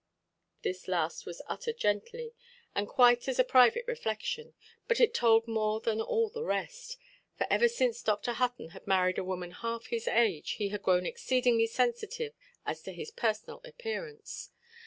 This last was uttered gently, and quite as a private reflection; but it told more than all the rest. For ever since Dr. Hutton had married a woman half his age, he had grown exceedingly sensitive as to his personal appearance.